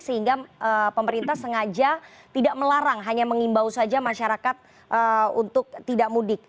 sehingga pemerintah sengaja tidak melarang hanya mengimbau saja masyarakat untuk tidak mudik